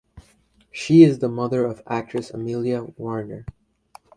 She is the mother of actress Amelia Warner.